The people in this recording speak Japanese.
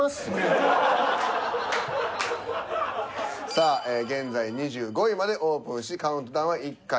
さあ現在２５位までオープンしカウントダウンは１回。